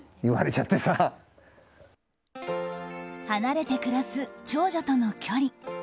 離れて暮らす長女との距離。